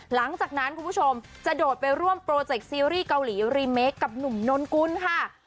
หลังจากนั้นคุณผู้ชมจะโดดไปร่วมโปรเจกต์ซีรีส์เกาหลีรีเมคกับหนุ่มนนกุลค่ะ